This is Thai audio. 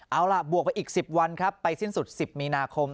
เอาล่ะบวกไปอีก๑๐วันครับไปสิ้นสุด๑๐มีนาคม